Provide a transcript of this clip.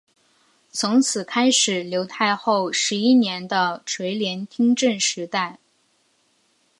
从此开始刘太后十一年的垂帘听政时代。